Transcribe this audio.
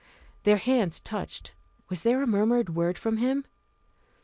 Their hands touched. Was there a murmured word from him?